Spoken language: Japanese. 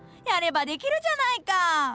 やればできるじゃないか！